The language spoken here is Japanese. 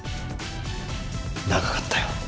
長かったよ。